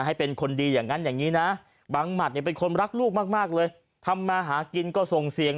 ให้เป็นคนดีอย่างนั้นอย่างนี้นะบังหมัดเนี่ยเป็นคนรักลูกมากเลยทำมาหากินก็ส่งเสียง